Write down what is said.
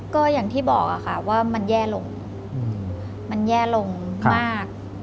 ก็อย่างที่บอกค่ะว่ามันแย่ลงมันแย่ลงมาก